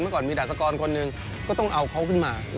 เมื่อก่อนมีดาษกรคนหนึ่งก็ต้องเอาเขาขึ้นมา